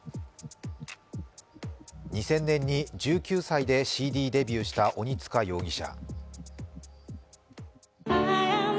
２０００年に１９歳でＣＤデビューした鬼束容疑者。